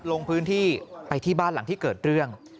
ลงพื้นที่ไปที่บ้านหลังที่เกิดเรื่อง